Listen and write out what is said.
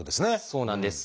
そうなんです。